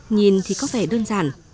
nhìn thì có vẻ đơn giản